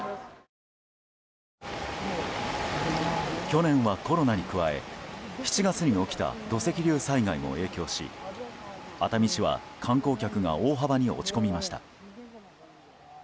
去年はコロナに加え７月に起きた土石流災害も影響し熱海市は観光客が大幅に落ち込みました。